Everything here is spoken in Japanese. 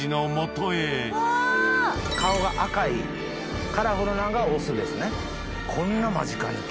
顔が赤いカラフルなんがオスですね。